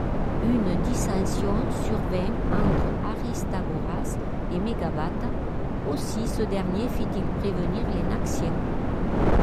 Une dissension survint entre Aristagoras et Mégabate, aussi ce dernier fit-il prévenir les Naxiens.